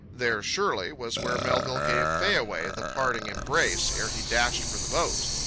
There, surely, was where Melville gave Fayaway the parting embrace ere he dashed for the boat.